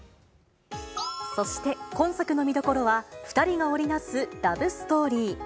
そして、今作の見どころは、２人が織り成すラブストーリー。